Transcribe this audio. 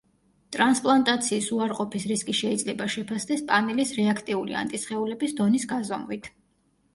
ტრანსპლანტაციის უარყოფის რისკი შეიძლება შეფასდეს პანელის რეაქტიული ანტისხეულების დონის გაზომვით.